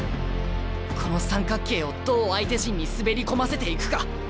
この三角形をどう相手陣に滑り込ませていくか！